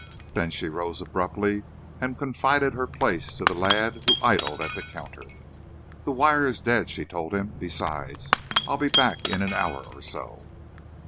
Then she rose abruptly and confided her place to the lad who idled at the counter. "The wire's dead," she told him. "Besides, I'll be back in an hour or so."